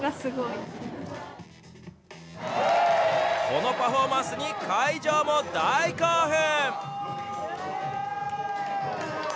このパフォーマンスに会場も大興奮。